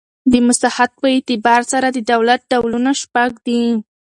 د مساحت په اعتبار سره د دولت ډولونه شپږ دي.